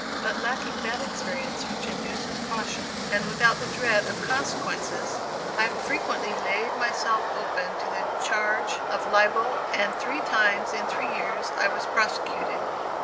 But lacking that experience which induces caution, and without the dread of consequences, I frequently laid myself open to the charge of libel and three times in three years I was prosecuted.